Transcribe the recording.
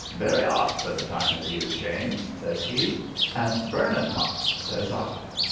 'Very 'ot for the time of year, James,' says he, and 'burnin, 'ot,' says I.